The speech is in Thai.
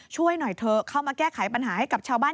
ช่วยหน่อยเถอะเข้ามาแก้ไขปัญหาให้กับชาวบ้าน